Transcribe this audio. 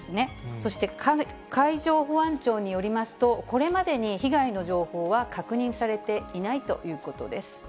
そして海上保安庁によりますと、これまでに、被害の情報は確認されていないということです。